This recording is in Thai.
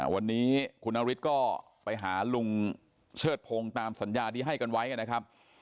วันนี้คุณนฤทธิ์ก็ไปหาลุงเชิดพงศ์ตามสัญญาที่ให้กันไว้นะครับ